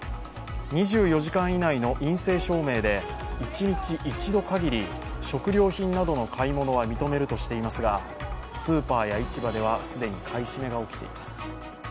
２４時間以内の陰性証明で一日一度かぎり食料品などの買い物は認めるとしていますが、スーパーや市場では既に買い占めが起きています。